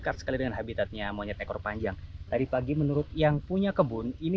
kart sekali dengan habitatnya monyet ekor panjang dari pagi menurut yang punya kebun ini